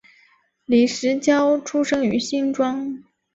李石樵出生于新庄